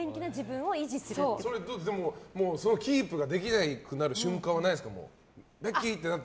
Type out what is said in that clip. でもキープができなくなる瞬間はないんですか？